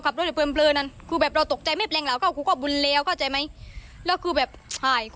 เข้าละเปิดเสียงเมื่อกี้ว่าให้รถเมย์ถอดหน้ากาก